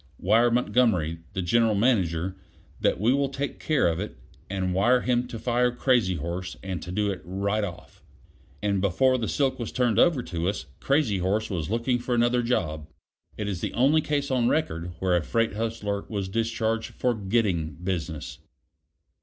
Wire Montgomery (the General Manager) that we will take care of it. And wire him to fire Crazy horse and to do it right off." And before the silk was turned over to us Crazy horse was looking for another job. It is the only case on record where a freight hustler was discharged for getting business.